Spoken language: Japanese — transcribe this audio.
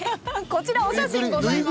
こちらお写真ございます。